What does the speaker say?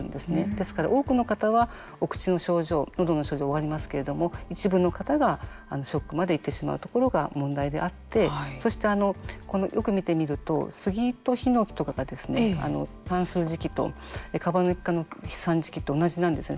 ですから多くの方は、お口の症状のどの症状で終わりますけれども一部の方がショックまで行ってしまうところが問題であってそして、よく見てみると、スギとヒノキとかが飛散する時期とカバノキ科の飛散時期と同じなんですね。